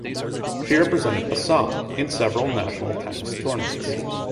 She represented Assam in several National tennis tournaments.